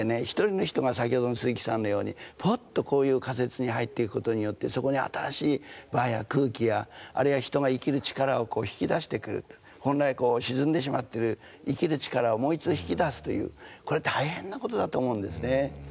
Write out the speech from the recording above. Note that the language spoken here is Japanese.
一人の人が先ほどの鈴木さんのようにぽっとこういう仮設に入っていくことによってそこに新しい場や空気やあるいは人が生きる力をこう引き出してくる本来こう沈んでしまってる生きる力をもう一度引き出すというこれ大変なことだと思うんですね。